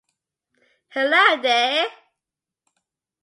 Hello there!